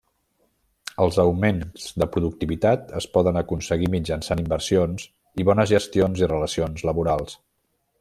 Els augments de productivitat es poden aconseguir mitjançant inversions i bones gestions i relacions laborals.